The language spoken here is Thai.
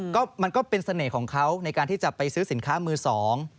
ก็มันก็เป็นเสน่ห์ของเขาในการที่จะไปซื้อสินค้ามือสอง